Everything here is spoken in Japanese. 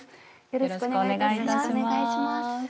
よろしくお願いします。